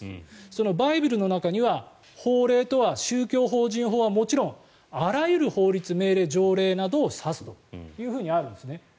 そのバイブルの中には法令とは宗教法人法はもちろんあらゆる法律、命令・条例を指すとあるんです。